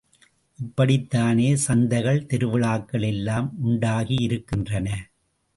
இப்படித் தானே சந்தைகள், திருவிழாக்கள் எல்லாம் உண்டாகியிருக்கின்றன.